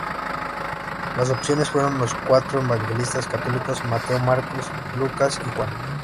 Las opciones fueron los cuatro evangelistas católicos: Mateo, Marcos, Lucas y Juan.